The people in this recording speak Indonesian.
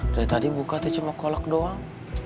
dari tadi buka teh cuma kolak doang